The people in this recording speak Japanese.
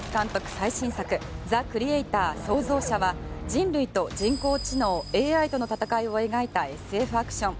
最新作「ザ・クリエイター／創造者」は人類と人工知能・ＡＩとの戦いを描いたＳＦアクション。